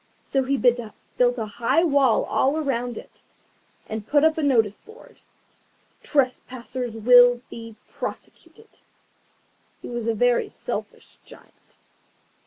So he built a high wall all round it, and put up a notice board. TRESPASSERS WILL BE PROSECUTED He was a very selfish Giant.